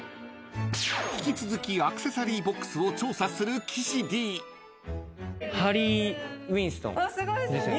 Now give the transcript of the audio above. ［引き続きアクセサリーボックスを調査する岸Ｄ］ですよね？